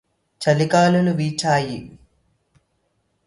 చలిగాలులు వీచాయి